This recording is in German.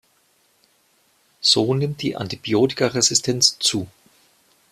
So nimmt die Antibiotikaresistenz zu.